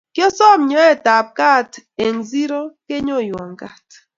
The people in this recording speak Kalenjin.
Kyosom nyoetab gaat eng siro kenyonywa gaat